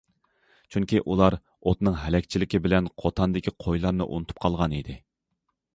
چۈنكى، ئۇلار ئوتنىڭ ھەلەكچىلىكى بىلەن قوتاندىكى قويلارنى ئۇنتۇپ قالغان ئىدى.